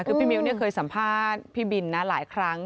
คือพี่มิ้วเคยสัมภาษณ์พี่บินนะหลายครั้ง